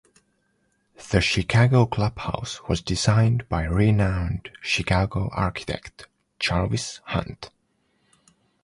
The Chicago clubhouse was designed by renowned Chicago architect Jarvis Hunt.